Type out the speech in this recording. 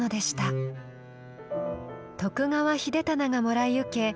徳川秀忠がもらい受け